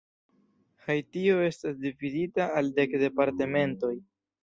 Haitio estas dividita al dek departementoj.